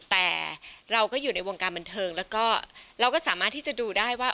แต่เราก็อยู่ในวงการบันเทิงแล้วก็เราก็สามารถที่จะดูได้ว่า